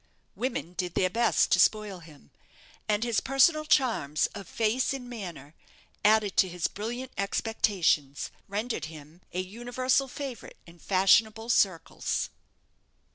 Women did their best to spoil him; and his personal charms of face and manner, added to his brilliant expectations, rendered him an universal favourite in fashionable circles.